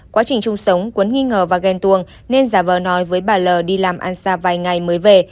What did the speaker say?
quá trình chung sống quấn nghi ngờ và ghen tuồng nên giả vờ nói với bà l đi làm ăn xa vài ngày mới về